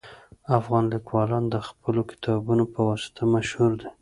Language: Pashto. افغان لیکوالان د خپلو کتابونو په واسطه مشهور دي